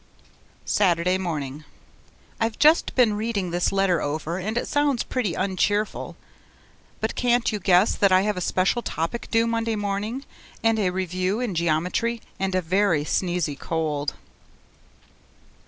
Saturday morning I've just been reading this letter over and it sounds pretty un cheerful. But can't you guess that I have a special topic due Monday morning and a review in geometry and a very sneezy cold?